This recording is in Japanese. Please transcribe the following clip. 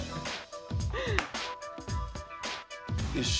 よし！